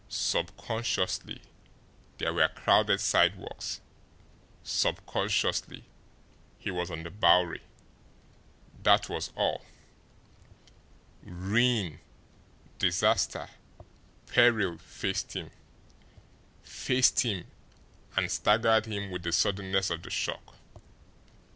Subconsciously, there were crowded sidewalks; subconsciously, he was on the Bowery that was all. Ruin, disaster, peril faced him faced him, and staggered him with the suddenness of the shock.